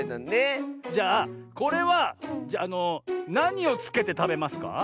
じゃあこれはなにをつけてたべますか？